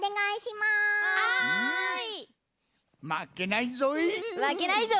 まけないぞ。